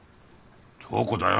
響子だよ。